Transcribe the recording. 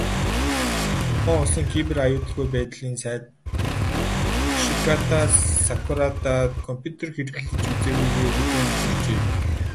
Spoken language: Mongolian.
Япон улсын Кибер аюулгүй байдлын сайд Ёшитака Сакурада компьютер хэрэглэж үзээгүйгээ хүлээн зөвшөөрчээ.